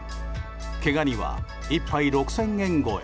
毛ガニは１杯６０００円超え。